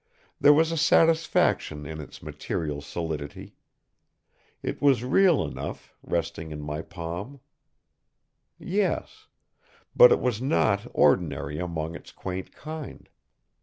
There was a satisfaction in its material solidity. It was real enough, resting in my palm. Yes; but it was not ordinary among its quaint kind!